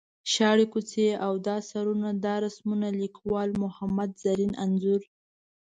شاړې کوڅې او دا سرونه دا رسمونه ـ لیکوال محمد زرین انځور.